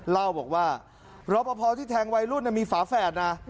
เล่าบอกว่ารอปภที่แทงวัยรุ่นมีฝาแฝดนะ